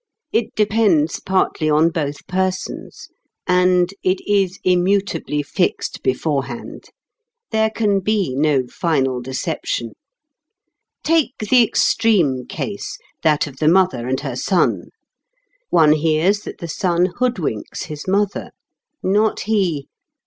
It depends partly on both persons. And it is immutably fixed beforehand. There can be no final deception. Take the extreme case, that of the mother and her son. One hears that the son hoodwinks his mother. Not he!